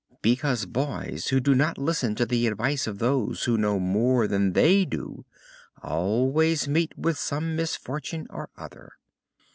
"Because boys who do not listen to the advice of those who know more than they do always meet with some misfortune or other."